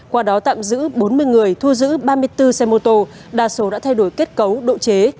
qua đó tạm giữ bốn mươi người thu giữ ba mươi bốn xe mô tô đa số đã thay đổi kết cấu độ chế